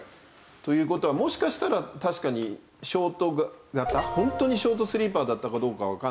という事はもしかしたら確かにショート型ホントにショートスリーパーだったかどうかはわかんないです。